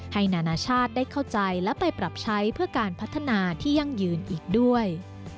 นานาชาติได้เข้าใจและไปปรับใช้เพื่อการพัฒนาที่ยั่งยืนอีกด้วย